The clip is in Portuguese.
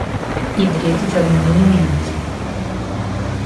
hidreto de alumínio e lítio